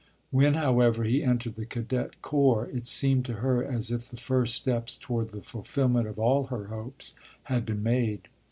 When, however, he entered the Cadet Corps it seemed to her as if the first steps toward the fulfilment of all her hopes had been made.